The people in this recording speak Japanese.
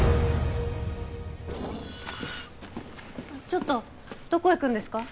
ちょっとどこ行くんですか？